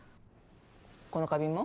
この花瓶も？